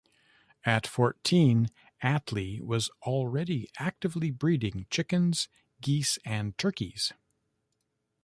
At fourteen, Atlee was already actively breeding chickens, geese and turkeys.